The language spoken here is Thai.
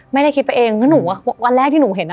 ไม่ได้คิดไปเองเพราะหนูว่าวันแรกที่หนูเห็นอ่ะ